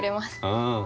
うん。